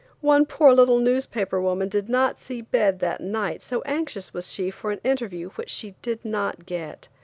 One poor little newspaper woman did not see bed that night so anxious was she for an interview which she did not get.